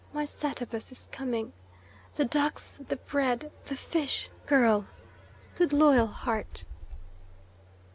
My Satabus is coming. The ducks, the bread, the fish, girl! Good, loyal heart."